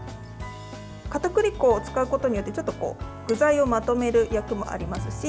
かたくり粉を使うことによって具材をまとめる役もありますし